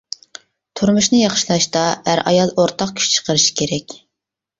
تۇرمۇشنى ياخشىلاشتا ئەر-ئايال ئورتاق كۈچ چىقىرىشى كېرەك.